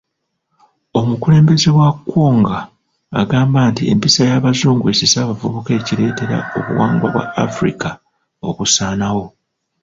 Omukulembeze wa Kwonga agamba nti empisa y'abazungu esise abavubuka ekireetera obuwangwa bwa Africa okusaanawo.